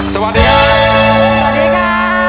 สวัสดีค่ะ